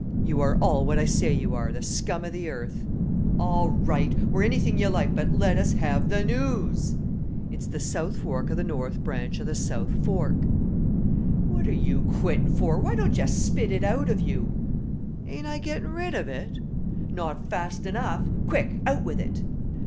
"You are all what I say you are the scum of the earth." "All right! We're anything you like: but let us have the news." "It's the south fork of the north branch of the south fork " "What are you quitting for? why don't you spit it out of you?" "Ain't I getting rid of it?" "Not fast enough; quick, out with it!"